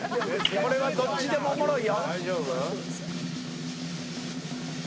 これはどっちでもおもろいよ！